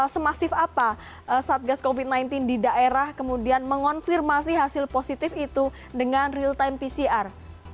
semasif apa satgas covid sembilan belas di daerah kemudian mengonfirmasi hasil positif itu dengan real time pcr